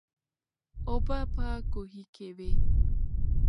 اوبه په کوهي کې وې.